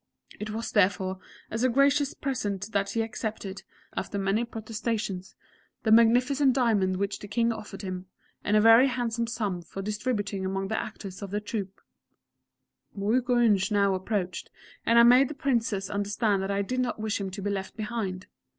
It was, therefore, as a gracious present that he accepted, after many protestations, the magnificent diamond which the King offered him, and a very handsome sum for distribution among the actors of the troupe. Moukounj now approached, and I made the Princess understand that I did not wish him to be left behind.